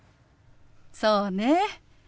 そうね。